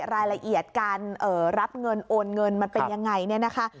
รายละเอียดการรับเงินโอนเงินมันเป็นยังไงเนี่ยนะคะ